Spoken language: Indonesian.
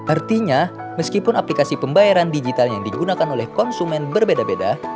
artinya meskipun aplikasi pembayaran digital yang digunakan oleh konsumen berbeda beda